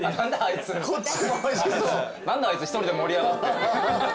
何だあいつ１人で盛り上がって。